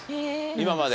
今まで。